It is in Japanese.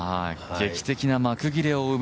劇的な幕切れを生む